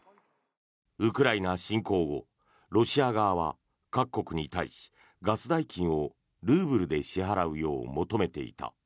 ウクライナ侵攻後、ロシア側は各国に対しガス代金をルーブルで支払うよう求めていた。